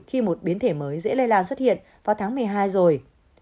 khi một biến thể mới dễ lây lan xuất hiện vào tháng một mươi hai rồi